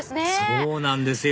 そうなんですよ